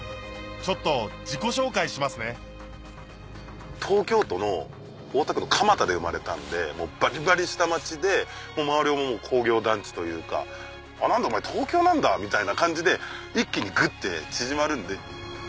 ちょっと自己紹介しますね東京都の大田区の蒲田で生まれたんでもうバリバリ下町で周りは工業団地というか「何だお前東京なんだ」みたいな感じで一気にグッて縮まるんで。